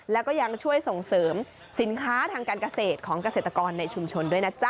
แล้วก็ยังช่วยส่งเสริมสินค้าทางการเกษตรของเกษตรกรในชุมชนด้วยนะจ๊ะ